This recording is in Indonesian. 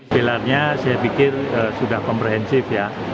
pilarnya saya pikir sudah komprehensif ya